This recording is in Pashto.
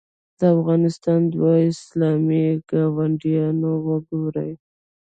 د افغانستان دوه اسلامي ګاونډیان وګورئ.